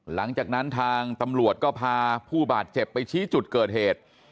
หลังจากนั้นทางตำรวจก็พาผู้บาดเจ็บไปชี้จุดเกิดเหตุ